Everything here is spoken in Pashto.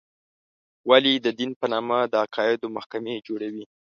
ولې د دین په نامه د عقایدو محکمې جوړې وې.